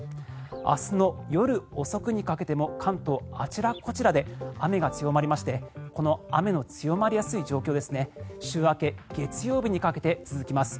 明日の夜遅くにかけても関東、あちらこちらで雨が強まりましてこの雨の強まりやすい状況週明け月曜日にかけて続きます。